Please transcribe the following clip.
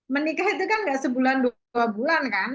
menikah itu kan gak sebulan dua bulan kan